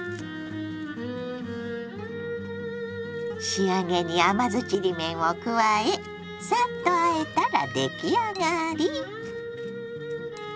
仕上げに甘酢ちりめんを加えサッとあえたら出来上がり。